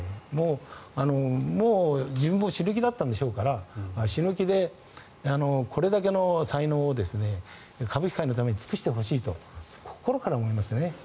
もう、自分も死ぬ気だったんでしょうから死ぬ気で、これだけの才能を歌舞伎界のために尽くしてほしいと心から思いますね。